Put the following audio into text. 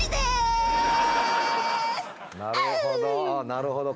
なるほど。